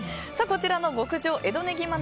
こちらの極上江戸ねぎま